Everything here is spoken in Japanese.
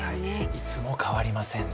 いつも変わりませんね。